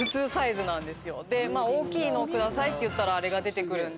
大きいのをくださいって言ったらあれが出てくるんで。